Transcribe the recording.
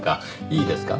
いいですか？